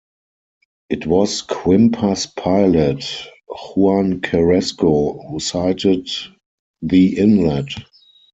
It was Quimper's pilot, Juan Carrasco, who sighted the inlet.